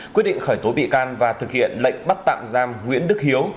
quyết định khởi tố bị can và thực hiện lệnh bắt tạm giam nguyễn đức hiếu